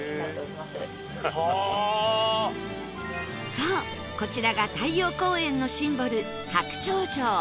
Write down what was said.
そうこちらが太陽公園のシンボル白鳥城